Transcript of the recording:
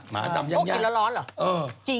หมาดำยังอย่างโอ้โหกินแล้วร้อนเหรอ